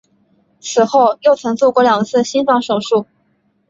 此后又曾做过两次心脏手术。